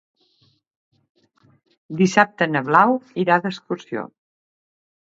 Dissabte na Blau irà d'excursió.